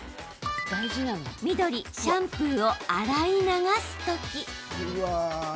緑・シャンプーを洗い流すとき。